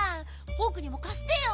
ぼくにもかしてよ。